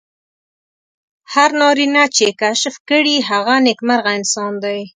هر نارینه چې یې کشف کړي هغه نېکمرغه انسان دی.